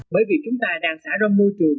bởi vì chúng ta đang xả râm môi trường